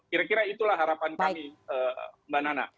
kira kira itulah harapan kami mbak nana